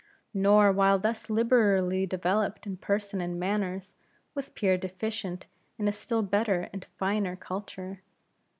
Nor while thus liberally developed in person and manners, was Pierre deficient in a still better and finer culture.